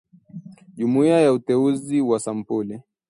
JUMUIYA NA UTEUZI WA SAMPULI